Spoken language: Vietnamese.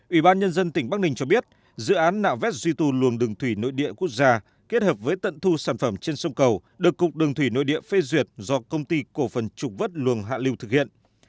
ủy ban nhân dân tỉnh bắc ninh cho biết dự án nạo vét duy tù luồng đường thủy nội địa quốc gia kết hợp với tận thu sản phẩm trên sông cầu được cục đường thủy nội địa phê duyệt do công ty cổ phần trục vất luồng hạ lưu thực hiện